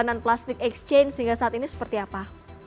jalanan plastik exchange sehingga saat ini seperti apa